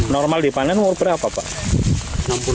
normal dipanen umur berapa pak